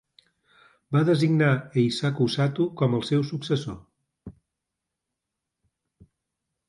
Va designar Eisaku Sato com el seu successor.